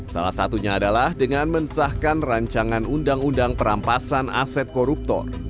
salah satunya adalah dengan mensahkan rancangan undang undang perampasan aset koruptor